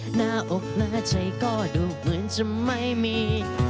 หน้าอกหน้าใจก็ดูเหมือนจะไม่มี